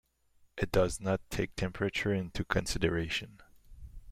It does not take temperature into consideration.